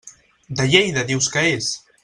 De Lleida dius que és?